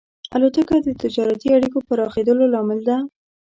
الوتکه د تجارتي اړیکو پراخېدلو لامل ده.